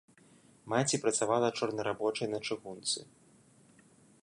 Маці працавала чорнарабочай на чыгунцы.